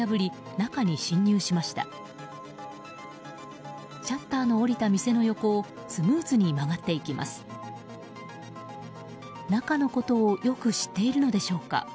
中のことをよく知っているのでしょうか。